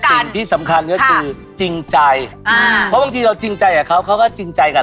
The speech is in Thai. สิ่งที่สำคัญก็คือจริงใจอ่าเพราะบางทีเราจริงใจกับเขาเขาก็จริงใจกัน